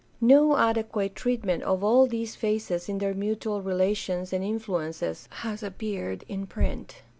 No adequate treatment of all these phases in their mutual relations and influences has appeared in print.